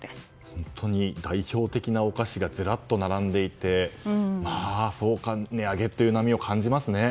本当に、代表的なお菓子がずらっと並んでいて値上げって波を感じますね。